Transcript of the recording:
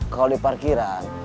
kalau di parkiran